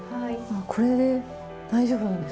これで大丈夫なんですね？